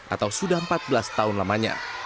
atau sudah empat belas tahun lamanya